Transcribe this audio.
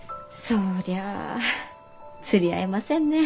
そりゃあ釣り合いませんねえ。